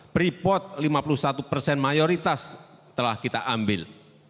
freeport lima puluh satu persen mayoritas telah kita ambil